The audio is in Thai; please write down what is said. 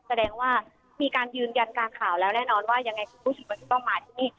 แสดงว่ามีการยืนยันกลางข่าวแล้วแน่นอนว่ายังไงคุณผู้ชมก็จะต้องมาที่นี่